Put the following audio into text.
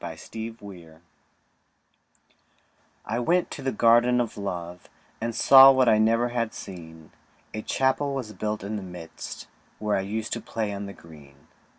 THE GARDEN OF LOVE I went to the Garden of Love, And saw what I never had seen; A Chapel was built in the midst, Where I used to play on the green.